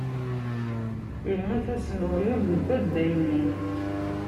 Yemmut-asen uɣyul deg addaynin.